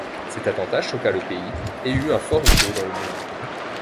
Cet attentat choqua le pays et eut un fort écho dans le monde.